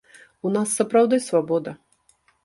У нас сапраўды свабода.